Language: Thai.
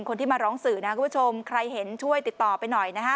คนที่มาร้องสื่อนะคุณผู้ชมใครเห็นช่วยติดต่อไปหน่อยนะฮะ